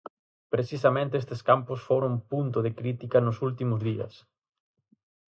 Precisamente estes campos foron punto de crítica nos últimos días.